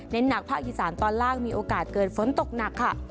หนักภาคอีสานตอนล่างมีโอกาสเกิดฝนตกหนักค่ะ